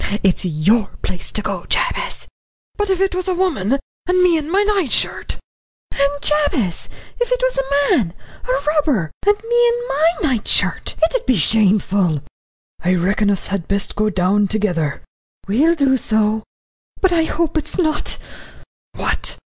"It's your place to go, Jabez." "But if it was a woman and me in my night shirt?" "And, Jabez, if it was a man, a robber and me in my night shirt? It 'ud be shameful." "I reckon us had best go down together." "We'll do so but I hope it's not " "What?"